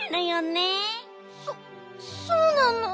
そそうなの？